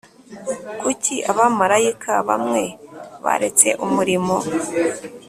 Kuki abamarayika bamwe baretse umurimo